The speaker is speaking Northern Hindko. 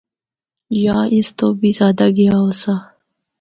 یا اس تو بھی زیادہ گیا ہوساں۔